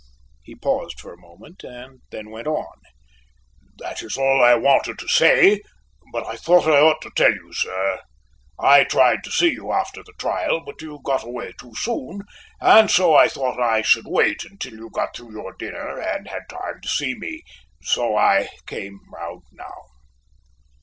He paused for a moment and then went on. "That is all I wanted to say, but I thought I ought to tell you, sir. I tried to see you after the trial, but you got away too soon, and so I thought I would wait until you got through your dinner, and had time to see me. So I came around now."